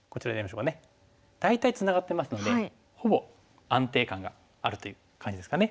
大体ツナがってますのでほぼ安定感があるという感じですかね。